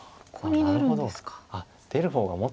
なるほど。